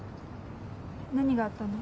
何があったの？